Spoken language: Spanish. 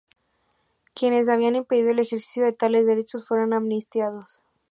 Quienes habían impedido el ejercicio de tales derechos, fueron amnistiados.